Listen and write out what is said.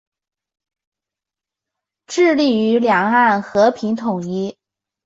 致力于两岸和平统一。